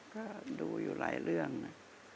ก็ดูอยู่หลายเรื่องนะ